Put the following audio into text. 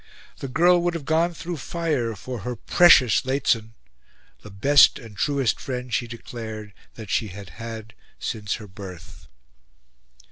The girl would have gone through fire for her "PRECIOUS Lehzen," the "best and truest friend," she declared, that she had had since her birth.